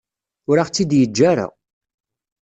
Ur aɣ-tt-id-yeǧǧa ara.